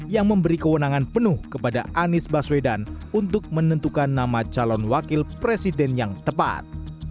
yang memberi kewenangan penuh kepada anies baswedan untuk menentukan nama calon wakil presiden yang tepat